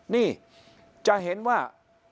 นี่จะเห็นว่า